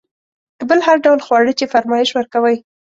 بل هر ډول خواړه چې فرمایش ورکوئ.